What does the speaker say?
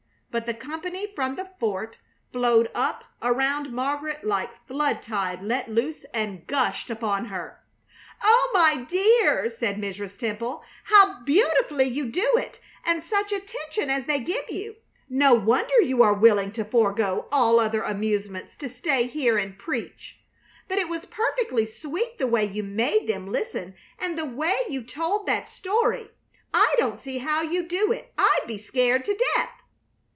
But the company from the fort flowed up around Margaret like flood tide let loose and gushed upon her. "Oh, my dear!" said Mrs. Temple. "How beautifully you do it! And such attention as they give you! No wonder you are willing to forego all other amusements to stay here and preach! But it was perfectly sweet the way you made them listen and the way you told that story. I don't see how you do it. I'd be scared to death!"